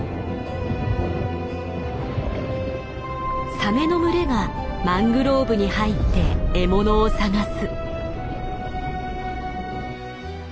サメの群れがマングローブに入って獲物を探す。